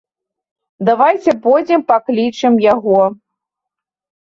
Давайце пойдзем паклічам яго.